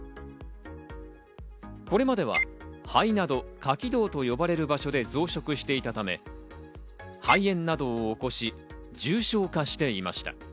これまでは肺など下気道と呼ばれる場所で増殖していたため、肺炎などを起こし、重症化していました。